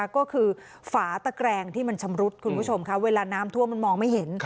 ก็คือฝาตะแกรงที่มันชำรุดคุณผู้ชมค่ะเวลาน้ำท่วมมันมองไม่เห็น